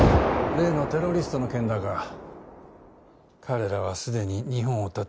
例のテロリストの件だが彼らは既に日本をたった。